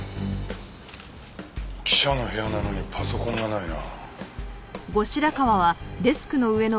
記者の部屋なのにパソコンがないな。